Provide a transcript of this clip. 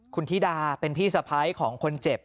คุณธิดาเป็นพี่สะพ้ายของคนเจ็บ